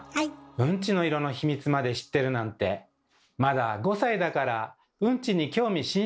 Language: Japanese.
うんちの色の秘密まで知ってるなんてまだ５歳だからうんちに興味津々だよね。